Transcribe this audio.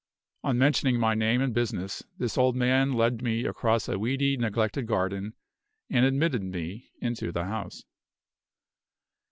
On mentioning my name and business, this old man led me across a weedy, neglected garden, and admitted me into the house.